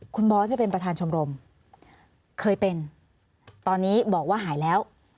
คุณบอสเนี่ยเป็นประธานชมรมเคยเป็นตอนนี้บอกว่าหายแล้ว